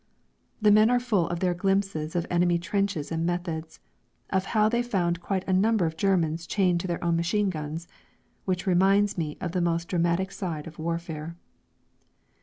The men are full of their glimpses of enemy trenches and methods; of how they found quite a number of Germans chained to their own machine guns, which reminds me of the most dramatic side of warfare.